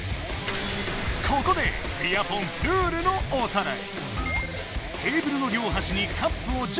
ここでビアポンルールのおさらい。